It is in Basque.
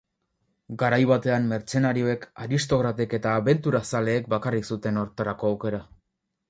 Garai batean mertzenarioek, aristokratek eta abenturazaleek bakarrik zuten hortarako aukera.